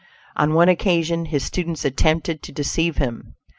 On one occasion his students attempted to deceive him.